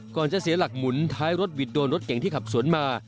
จะเสียหลักหมุนท้ายรถบิดโดนรถเก่งที่ขับสวนมา